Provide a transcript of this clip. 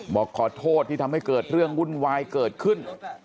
บอกขอโทษที่ทำให้เกิดเรื่องวุ่นวายเกิดขึ้น